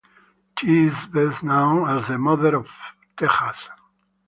She is best known as the Mother of Texas.